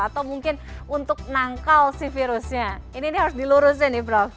atau mungkin untuk nangkal si virusnya ini harus dilurusin nih prof